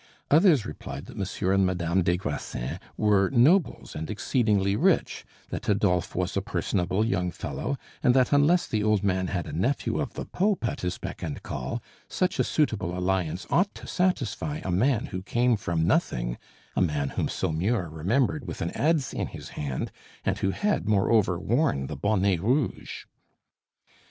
Others replied that Monsieur and Madame des Grassins were nobles, and exceedingly rich; that Adolphe was a personable young fellow; and that unless the old man had a nephew of the pope at his beck and call, such a suitable alliance ought to satisfy a man who came from nothing, a man whom Saumur remembered with an adze in his hand, and who had, moreover, worn the bonnet rouge.